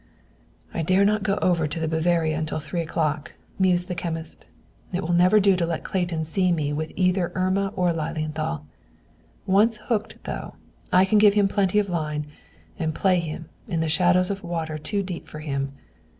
"I dare not go over to the 'Bavaria' until three o'clock," mused the chemist. "It will never do to let Clayton see me with either Irma or Lilienthal. Once hooked, though, I can give him plenty of line, and play him, in the shadows of water too deep for him.